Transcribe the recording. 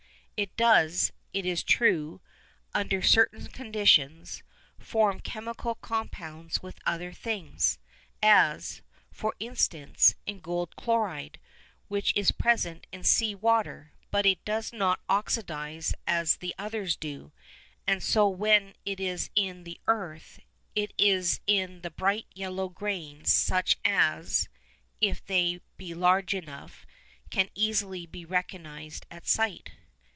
It does, it is true, under certain conditions, form chemical compounds with other things, as, for instance, in gold chloride, which is present in sea water, but it does not oxidise as the others do, and so when it is in the earth it is in the bright yellow grains such as (if they be large enough) can easily be recognised at sight.